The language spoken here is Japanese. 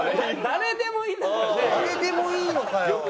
誰でもいいのかよ。